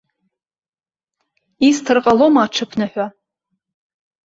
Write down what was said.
Исҭар ҟалома аҽыԥныҳәа?